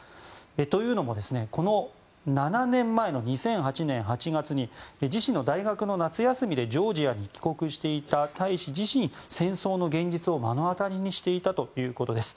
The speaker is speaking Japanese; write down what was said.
というのも７年前の２００８年８月に自身の大学の夏休みでジョージアに帰国していた大使自身、戦争の現実を目の当たりにしていたということです。